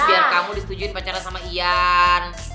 biar kamu disetujuin pacaran sama ian